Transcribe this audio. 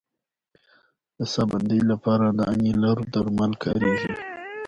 د ساه بندۍ لپاره د انیلر درمل کارېږي.